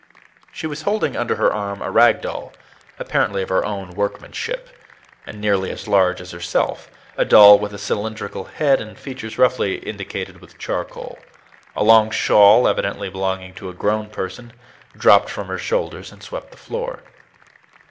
She was holding under her arm a rag doll, apparently of her own workmanship, and nearly as large as herself a doll with a cylindrical head, and features roughly indicated with charcoal. A long shawl, evidently belonging to a grown person, dropped from her shoulders and swept the floor.